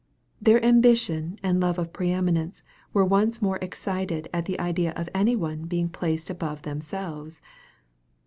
Their ambition and love of pre eminence were once more excited at the idea of any one being placed above themselves.